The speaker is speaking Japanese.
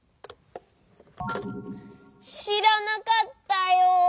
しらなかったよ。